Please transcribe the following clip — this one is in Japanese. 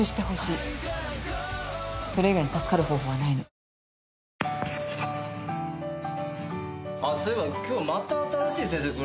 そういえば今日また新しい先生来るらしいよ。